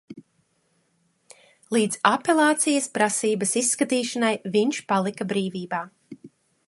Līdz apelācijas prasības izskatīšanai viņš palika brīvībā.